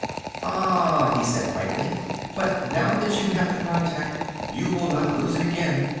"Ah!" he said brightly, "_but now that you have the contact, you will not lose it again!